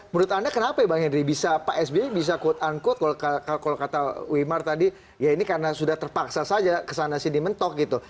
menurut anda kenapa ya bang henry bisa pak sby bisa quote unquote kalau kata wimar tadi ya ini karena sudah terpaksa saja kesana sini mentok gitu